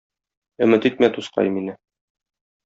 Өмет итмә, дускай, мине